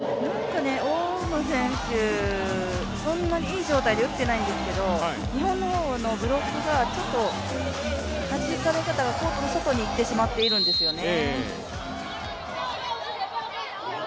オウ・ウンロ選手、そんなにいい状態で打ってないんですけれども日本のブロックが、ちょっとはじかれ方が外にいってしまっているんですよね。